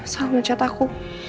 salah mencet aku